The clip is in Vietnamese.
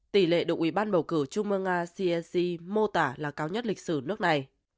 tỷ lệ được ủy ban bầu cử trung ương nga csc mô tả là cao nhất lịch sử nước này